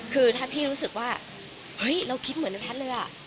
คือถ้าพี่รู้สึกว่าเฮ้ยเราคิดเหมือนในแพทย์เลย